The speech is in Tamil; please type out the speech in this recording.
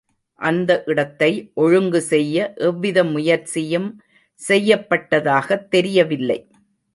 அந்த இடத்தை ஒழுங்கு செய்ய எவ்வித முயற்சியும் செய்யப்பட்டதாகத் தெரியவில்லை.